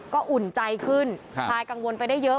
ก็อุ่นใจขึ้นคลายกังวลไปได้เยอะ